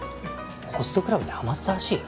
ホストクラブにハマってたらしいよ。